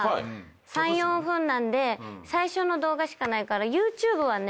３４分なんで最初の動画しかないからＹｏｕＴｕｂｅはね